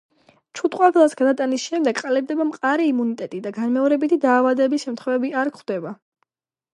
ჩუტყვავილას გადატანის შემდეგ ყალიბდება მყარი იმუნიტეტი და განმეორებითი დაავადების შემთხვევები არ გვხვდება.